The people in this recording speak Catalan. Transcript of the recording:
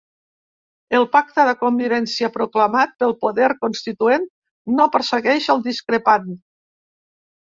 El pacte de convivència proclamat pel poder constituent no persegueix el discrepant.